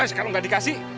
eh kalau gak dikasih